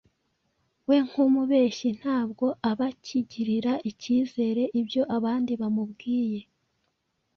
We nk’umubeshyi ntabwo aba akigirira icyizere ibyo abandi bamubwiye.